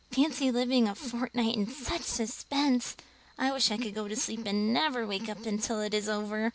Fancy living a fortnight in such suspense! I wish I could go to sleep and never wake up until it is over."